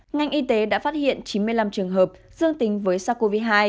ngành y tế đã phát hiện chín mươi năm trường hợp dương tính với sars cov hai